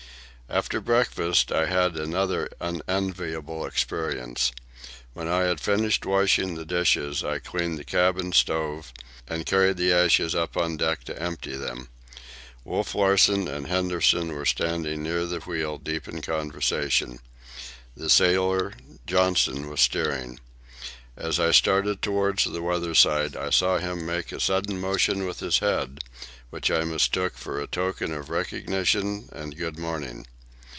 After breakfast I had another unenviable experience. When I had finished washing the dishes, I cleaned the cabin stove and carried the ashes up on deck to empty them. Wolf Larsen and Henderson were standing near the wheel, deep in conversation. The sailor, Johnson, was steering. As I started toward the weather side I saw him make a sudden motion with his head, which I mistook for a token of recognition and good morning.